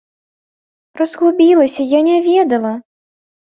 Разгубілася, я не ведала!